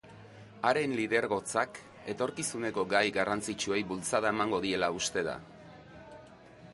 Haren lidergotzak etorkizuneko gai garrantzitsuei bultzada emango diela uste da.